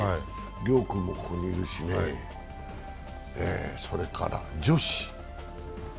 遼君もここにいるし、それから女子。